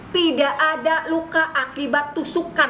tidak ada luka akibat tusukan